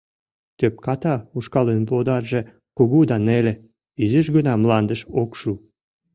Тӧпката ушкалын водарже кугу да неле, изиш гына мландыш ок шу.